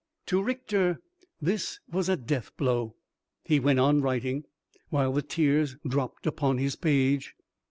To Richter this was a death blow. He went on writing, while the tears dropped upon his page.